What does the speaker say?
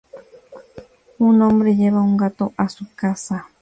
Un hombre lleva un gato a su casa.